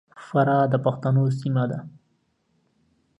فراه د پښتنو سیمه ده.